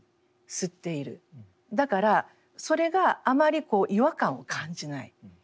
だからそれがあまり違和感を感じない。